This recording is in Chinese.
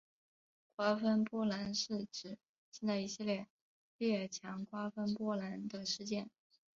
瓜分波兰是指近代一系列列强瓜分波兰的事件。